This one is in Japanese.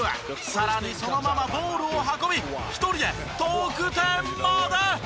さらにそのままボールを運び一人で得点まで！